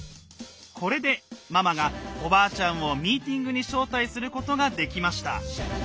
これでママがおばあちゃんをミーティングに招待することができました。